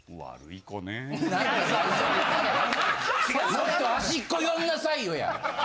もっとはしっこ寄んなさいよや。